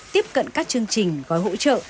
tiếp cận các chương trình gói hỗ trợ